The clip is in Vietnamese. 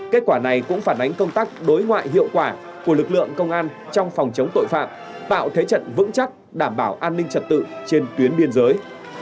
kết quả này cũng phản ánh công tác đối ngoại hiệu quả của lực lượng công an trong phòng chống tội phạm tạo thế trận vững chắc đảm bảo an ninh trật tự trên tuyến biên giới